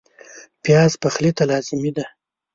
پیاز پخلي ته لازمي دی